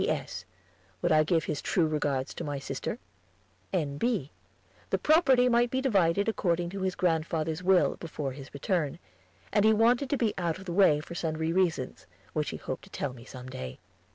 P.S. Would I give his true regards to my sister? N.B. The property might be divided according to his grandfather's will, before his return, and he wanted to be out of the way for sundry reasons, which he hoped to tell me some day.